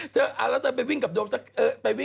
แล้วเธอไปวิ่งกับอุตูสัก๕๐เมตรได้เน